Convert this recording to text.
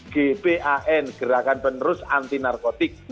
dia masuk gpan gerakan penerus anti narkotik